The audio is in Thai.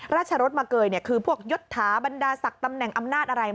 ราชรสมาเกยคือพวกยศถาบรรดาศักดิ์ตำแหน่งอำนาจอะไร